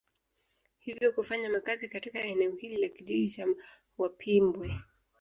Hivyo kufanya makazi katika eneo hili la kijiji cha Wapimbwe